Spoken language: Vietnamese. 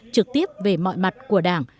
trực tiếp về mọi mặt của đảng